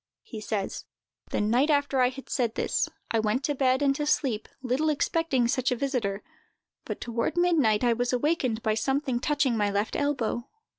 He says: "The night after I had said this, I went to bed and to sleep, little expecting such a visiter; but, toward midnight, I was awakened by something touching my left elbow.